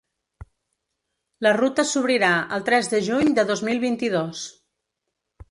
La ruta s’obrirà el tres de juny de dos mil vint-i-dos.